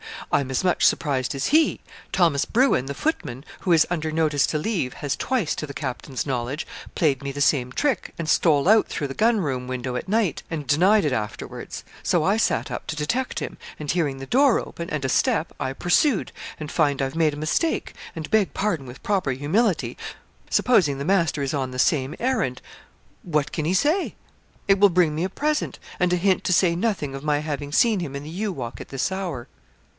I'm as much surprised as he! Thomas Brewen, the footman, who is under notice to leave, has twice, to the captain's knowledge, played me the same trick, and stole out through the gunroom window at night, and denied it afterwards; so I sat up to detect him, and hearing the door open, and a step, I pursued, and find I've made a mistake; and beg pardon with proper humility supposing the master is on the same errand what can he say? It will bring me a present, and a hint to say nothing of my having seen him in the yew walk at this hour.'